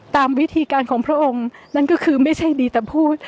ตามวิธีการของพระองค์นั่นก็คือไม่ใช่ดีแต่พูด